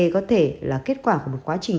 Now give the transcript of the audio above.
có thể là kết quả của một quá trình